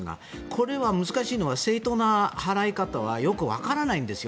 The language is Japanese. これは難しいのは正当な払い方はよくわからないんですよ